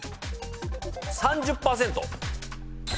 ３０％。